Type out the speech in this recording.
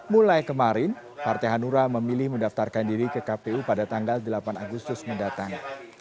mulai kemarin partai hanura memilih mendaftarkan diri ke kpu pada tanggal delapan agustus mendatang